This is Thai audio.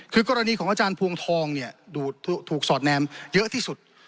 คือกรณีของอาจารย์พวงทองเนี่ยดูถูกสอดแนมเยอะที่สุด